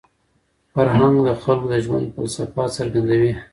فرهنګ د خلکو د ژوند فلسفه څرګندوي.